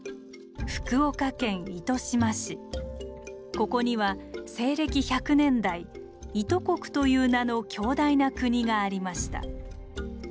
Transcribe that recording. ここには西暦１００年代「伊都国」という名の強大な国がありました。